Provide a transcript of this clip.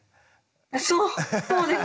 そうそうですね。